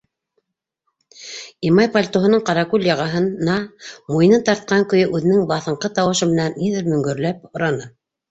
Имай пальтоһының ҡаракүл яғаһына муйынын тартҡан көйө үҙенең баҫынҡы тауышы менән ниҙер мөңгөрләп һораны.